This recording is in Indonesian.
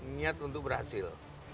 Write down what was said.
niat untuk berhasil